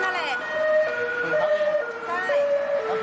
บืนเผานั่นแหละ